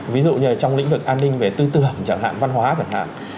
ví dụ như trong lĩnh vực an ninh về tư tưởng chẳng hạn văn hóa chẳng hạn